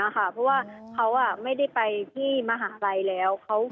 เพราะว่าเขาไม่ได้ไปที่มหาลัยแล้ว